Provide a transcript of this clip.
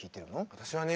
私はね